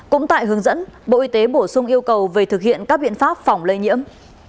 cũng tại hướng dẫn bộ y tế bổ sung yêu cầu về thực hiện các biện pháp phòng lây nhiễm